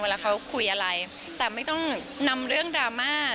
เวลาเขาคุยอะไรแต่ไม่ต้องนำเรื่องดราม่า